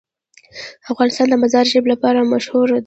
افغانستان د مزارشریف لپاره مشهور دی.